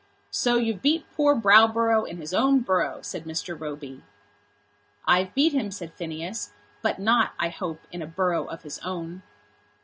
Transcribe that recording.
"So you've beat poor Browborough in his own borough," said Mr. Roby. "I've beat him," said Phineas; "but not, I hope, in a borough of his own."